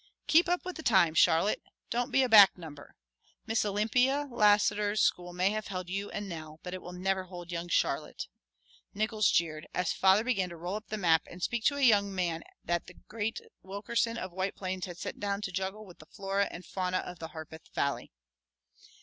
"Keep up with the times, Charlotte; don't be a back number. Miss Olymphia Lassiter's school may have held you and Nell, but it will never hold young Charlotte," Nickols jeered, as father began to roll up the map and speak to a young man that the great Wilkerson of White Plains had sent down to juggle with the flora and fauna of the Harpeth Valley.